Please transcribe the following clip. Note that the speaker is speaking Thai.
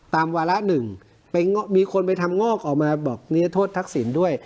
ตามวาระ๑ไปมีคนไปทำงอกออกมาบอกเนื้อโทษทักศิลป์ด้วย